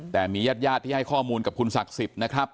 แต่มีญาติญาติที่ให้ข้อมูลกับคุณศักดิ์สิทธิ์นะครับ